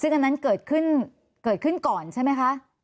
ซึ่งอันนั้นเกิดขึ้นก่อนใช่ไหมคะ